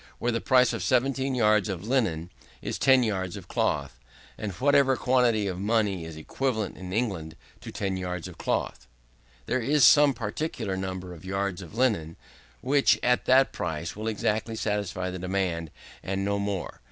There, the price of 17 yards of linen is 10 yards of cloth, or whatever quantity of money is equivalent in England to 10 yards of cloth. There is some particular number of yards of linen, which, at that price, will exactly satisfy the demand, and no more.